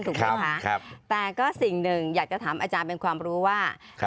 ถูกไหมคะแต่ก็สิ่งหนึ่งอยากจะถามอาจารย์เป็นความรู้ว่า